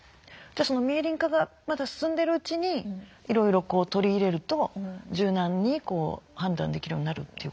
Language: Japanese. じゃあそのミエリン化がまだ進んでるうちにいろいろこう取り入れると柔軟にこう判断できるようになるっていうことですか？